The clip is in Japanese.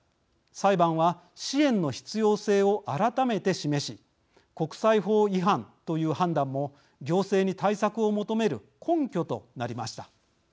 裁判は支援の必要性を改めて示し国際法違反という判断も行政に対策を求める根拠となりました。